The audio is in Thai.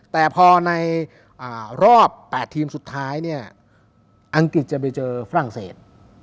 แต่พอในรอบ๘ทีมสุดท้ายเนี่ยอังกฤษจะไปเจอฝรั่งเศส